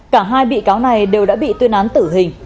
cả hai bị cáo này đều đã bị tuyên án tử hình